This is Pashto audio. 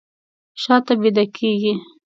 شاته بیده کیږي